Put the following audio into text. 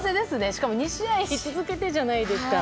しかも２試合続けてじゃないですか。